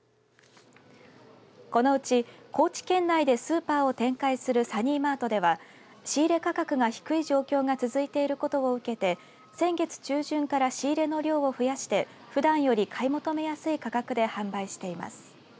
このうち高知県内でスーパーを展開するサニーマートでは仕入れ価格が低い状況が続いていることを受けて先月中旬から仕入れの量を増やしてふだんより買い求めやすい価格で販売しています。